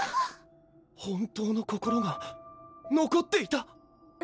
本当の心がのこっていた！